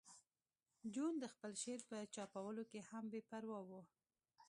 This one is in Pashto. جون د خپل شعر په چاپولو کې هم بې پروا و